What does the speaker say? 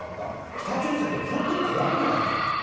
北朝鮮は本当に怖いんじゃないですか？